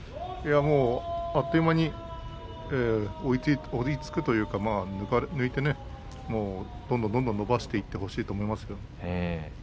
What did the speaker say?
あっという間に追いつくというか抜いてどんどんどんどん伸ばしていってほしいと思います。